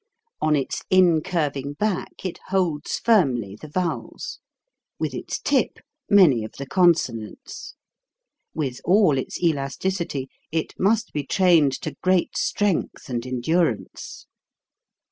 On its incurving back it holds firmly the vowels; with its tip, many of the consonants. With all its elasticity, it must be trained to great strength and endurance.